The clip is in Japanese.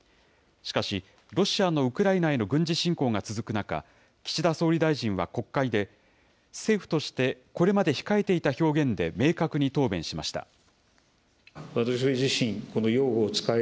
しかし、ロシアのウクライナへの軍事侵攻が続く中、岸田総理大臣は国会で、政府として、これまで控えていた表現で明確に答弁しました。